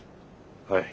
はい。